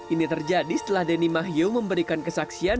ini terjadi setelah denny mahyu memberikan kesaksian